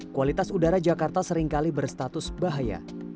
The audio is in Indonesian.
kualitas udara jakarta seringkali berstatus bahaya